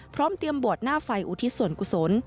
พร้อมเตรียมบวชหน้าไฟอุทิศส่วนกุศล